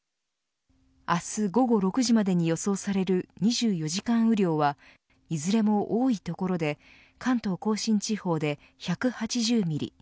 明日午後６時までに予想される２４時間雨量はいずれも多い所で関東甲信地方で１８０ミリ